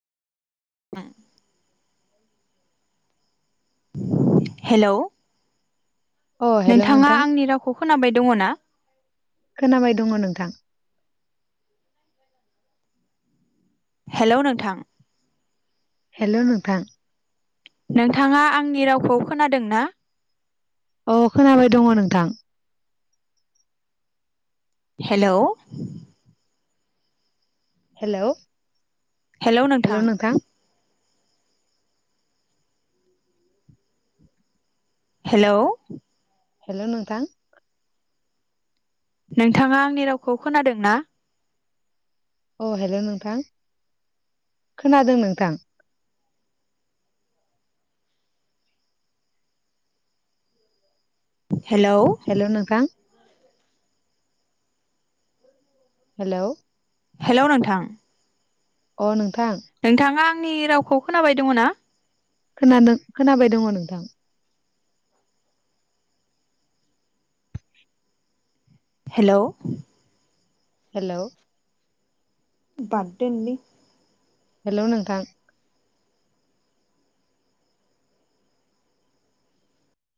ओम। Hello. अ hello नोंथाङा नोंथां आंनि रावखौ खोनाबाय दङ' ना? खोनाबाय दङ नोंथां हेलौ नोंथां। हेलौ नोंथां। नोंथाङा आंनि रावखौ खोनादों ना? औ खोनाबाय दङ' नोंथां। हेलौ। हेल'। हेलौ नोंथां। हेलौ। हेलौ नोंथां। नोंथाङा आंनि रावखौ खोनादों ना? अ हेलौ नोंथां खोनादों नोंथां। हेलौ हेलौ नोंथां हेलौ हेलौ नोंथां औ नों नोंथाङा आंनि रावखौ खोनाबाय दङ ना खोनादों खोनाबाय दङ नोंथां हेलौ हेलौ बाद दोन लै हेल' नोंथां